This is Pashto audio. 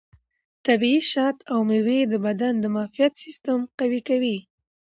طبیعي شات او مېوې د بدن د معافیت سیستم قوي کوي.